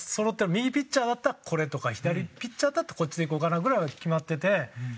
右ピッチャーだったらこれとか左ピッチャーだとこっちでいこうかなぐらいは決まってて。